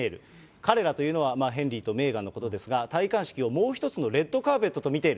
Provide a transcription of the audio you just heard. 彼らというのは、ヘンリーとメーガンのことですが、戴冠式をもう一つのレッドカーペットと見ている。